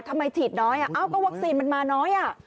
ทำไมฉีดน้อยเอ้าก็วัคซีนมันมาน้อย